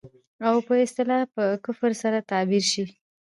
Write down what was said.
او په اصطلاح په کفر سره تعبير شي.